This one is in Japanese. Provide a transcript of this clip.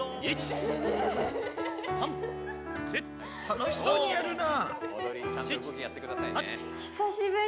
楽しそうにやるな。